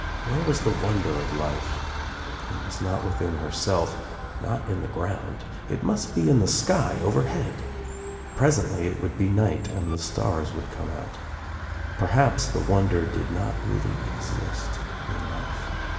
Where was the wonder of life? It was not within herself, not in the ground. It must be in the sky overhead. Pres ently it would be night and the stars would come out. Perhaps the wonder did not really exist in life.